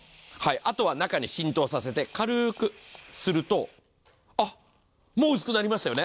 あとは中に浸透させて軽くすると、もう薄くなりましたよね。